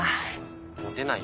モテないよ。